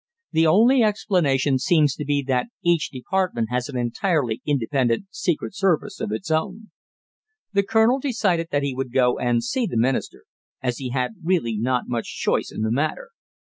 The only explanation seems to be that each department has an entirely independent secret service of its own. The colonel decided that he would go and see the Minister, as he had really not much choice in the matter.